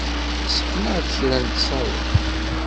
Yessken-aɣ-d kra n ttṣawer.